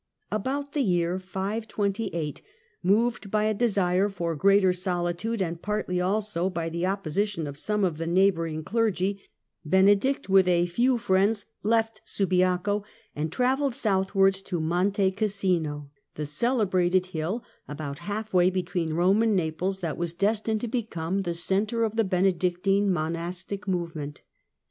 About the year 528, moved by a desire for greater solitude, and partly also by the opposi tion of some of the neighbouring clergy, Benedict, with BENEDICT OF NURSIA AMD COLUMBAN 67 a few friends, left Subiaco and travelled southwards po Monte Cassino, the celebrated hill about half way between Rome and Naples that was destined to become the centre of the Benedictine monastic movement.